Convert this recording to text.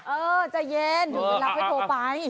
เออใจเย็นถึงเวลาให้โทรไป